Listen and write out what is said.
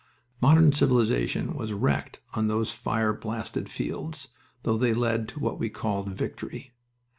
Modern civilization was wrecked on those fire blasted fields, though they led to what we called "Victory."